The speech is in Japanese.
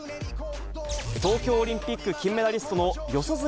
東京オリンピック金メダリストの四十住